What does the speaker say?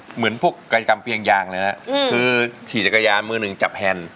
เหมือนพวกกันกำเปียงยางเลยอะอืมคือขี่จักรยานมือหนึ่งจับแฮน